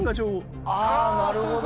あぁなるほど。